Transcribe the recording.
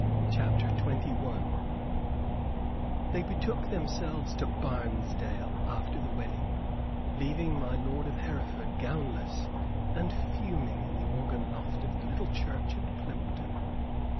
CHAPTER XXI They betook themselves to Barnesdale after the wedding, leaving my lord of Hereford gownless and fuming in the organ loft of the little church at Plympton.